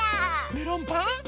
メロンパン？